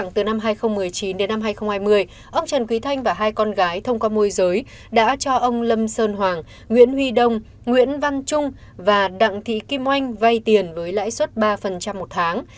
từ năm hai nghìn một mươi chín đến năm hai nghìn hai mươi ông trần quý thanh và hai con gái thông qua môi giới đã cho ông lâm sơn hoàng nguyễn huy đông nguyễn văn trung và đặng thị kim oanh vay tiền với lãi suất ba một tháng